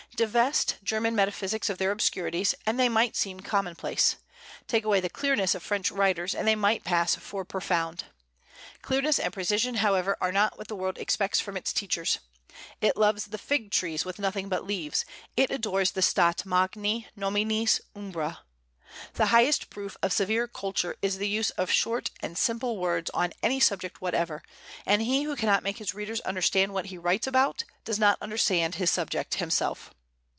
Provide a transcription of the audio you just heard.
Divest German metaphysics of their obscurities, and they might seem commonplace; take away the clearness of French writers, and they might pass for profound. Clearness and precision, however, are not what the world expects from its teachers. It loves the fig trees with nothing but leaves; it adores the stat magni nominis umbra. The highest proof of severe culture is the use of short and simple words on any subject whatever; and he who cannot make his readers understand what he writes about does not understand his subject himself.